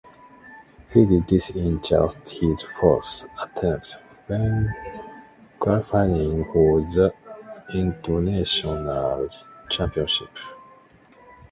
He did this in just his fourth attempt, when qualifying for the International Championship.